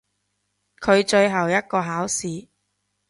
佢最後一個考試！